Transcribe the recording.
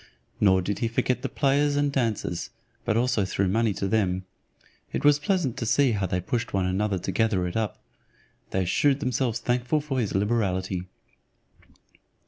Nor did he forget the players and dancers, but also threw money to them. It was pleasant to see how they pushed one another to gather it up. They shewed themselves thankful for his liberality.